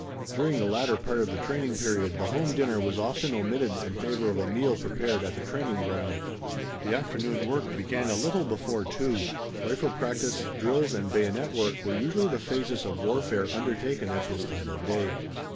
During the latter part of the training period the home dinner was often omitted in favor of a meal prepared at the training ground. The afternoon work began a little before two. Rifle practice, drills and bayonet work were usually the phases of warfare undertaken at this time of day.